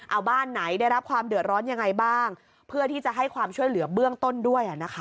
เอาบ้านไหนได้รับความเดือดร้อนยังไงบ้างเพื่อที่จะให้ความช่วยเหลือเบื้องต้นด้วยอ่ะนะคะ